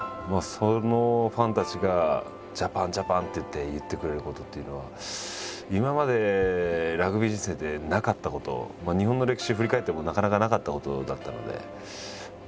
そのファンたちが「ジャパンジャパン！」って言ってくれることっていうのは今までラグビー人生でなかったこと日本の歴史を振り返ってもなかなかなかったことだったので。